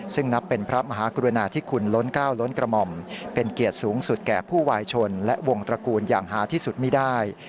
ซึ่งนับเป็นพระมหากรุณาที่คุณล้นก้าวล้นกระหม่อมเป็นเกียรติสูงสุดแก่ผู้วายชนและวงตระกูลอย่างหาที่สุดไม่ได้